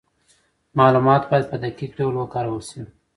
معلومات باید په دقیق ډول وکارول سي.